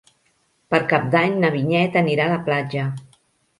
Per Cap d'Any na Vinyet anirà a la platja.